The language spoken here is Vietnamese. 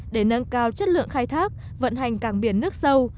để nâng cao chất lượng khai thác vận hành cảng biển nước sâu